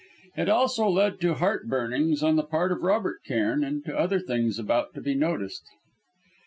It also led to heart burnings on the part of Robert Cairn, and to other things about to be noticed.